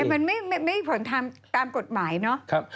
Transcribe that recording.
แต่มันมีผลตามกฏหมายเนาะ